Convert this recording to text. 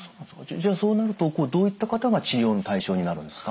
じゃあそうなるとどういった方が治療の対象になるんですか？